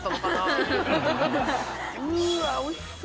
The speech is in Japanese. うわおいしそう。